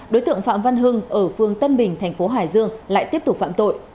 đối tượng phạm văn hưng ở phương tân bình thành phố hải dương lại tiếp tục phạm tội